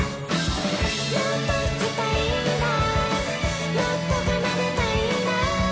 「もっと弾きたいんだもっと奏でたいんだ」